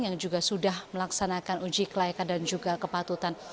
yang juga sudah melaksanakan uji kelayakan dan juga kepatutan